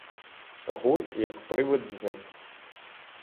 Гурт, як привид, зник.